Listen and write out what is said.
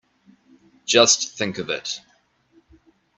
Just think of it!